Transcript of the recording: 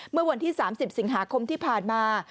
เมื่อวันที่๓๐สิงหาคมที่ผ่านมา